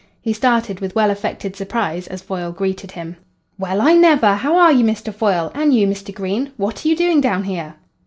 He started with well affected surprise as Foyle greeted him. "Well, I never! How are you, Mr. Foyle? And you, Mr. Green? What are you doing down here?"